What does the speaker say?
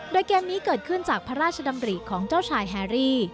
โดยเกมนี้เกิดขึ้นจากพระราชดำริของเจ้าชายแฮรี่